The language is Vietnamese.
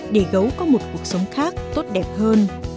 để gấu có một cuộc sống khác tốt đẹp hơn